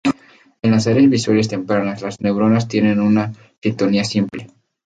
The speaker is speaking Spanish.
En las áreas visuales tempranas, las neuronas tienen una sintonía simple.